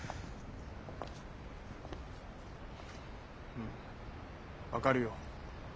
うん分かるよ。